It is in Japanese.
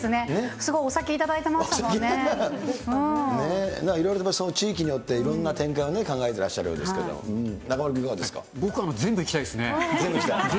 すごいお酒頂いいろいろとその地域によって、いろんな展開を考えてらっしゃるようですけど、中丸君、いかがで僕は全部行きたいですね。